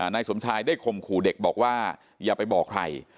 นายสมชายได้คมขู่เด็กบอกว่าอย่าไปบอกใคร